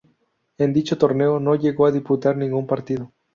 En dicho torneo no llegó a disputar ningún partido.